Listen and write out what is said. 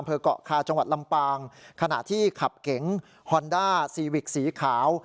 เกาะคาจังหวัดลำปางขณะที่ขับเก๋งฮอนด้าซีวิกสีขาว